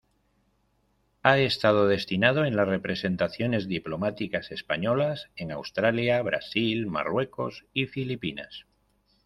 Ha estado destinado en las representaciones diplomáticas españolas en Australia, Brasil, Marruecos y Filipinas.